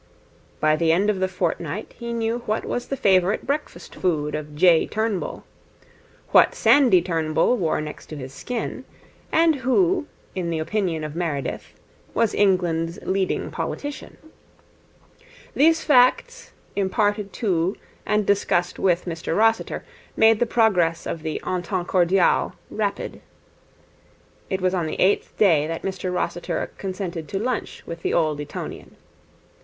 By the end of the fortnight he knew what was the favourite breakfast food of J. Turnbull; what Sandy Turnbull wore next his skin; and who, in the opinion of Meredith, was England's leading politician. These facts, imparted to and discussed with Mr Rossiter, made the progress of the entente cordiale rapid. It was on the eighth day that Mr Rossiter consented to lunch with the Old Etonian.